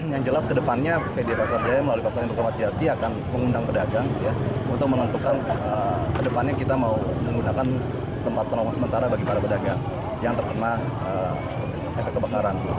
yang jelas kedepannya pd pasar jaya melalui pasar induk ramadjati akan mengundang pedagang untuk menentukan kedepannya kita mau menggunakan tempat penolong sementara bagi para pedagang yang terkena efek kebakaran